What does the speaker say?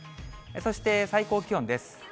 そして最高気温です。